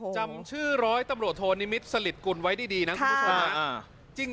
จำชื่อร้อยตำรวจโทนิมิตรสลิดกุลไว้ดีนะคุณผู้ชมนะ